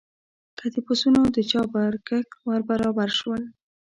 که د پسونو د چا پر کښت ور برابر شول.